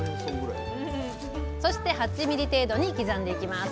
そして８ミリ程度に刻んでいきます